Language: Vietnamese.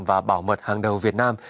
và bảo mật hàng đầu việt nam